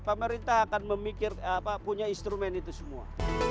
pemerintah akan memikir punya instrumen itu semua